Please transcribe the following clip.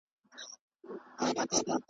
داسي ښکاري چي بېلېږي د ژوند لاره .